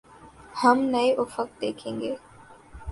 ہم نئے افق دیکھیں گے۔